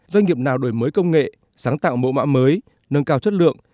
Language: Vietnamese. doanh nghiệp nào đổi mới công nghệ sáng tạo mẫu mã mới nâng cao chất lượng